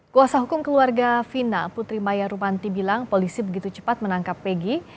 kuasa hukum keluarga fina putri maya rumanti bilang polisi begitu cepat menangkap peggy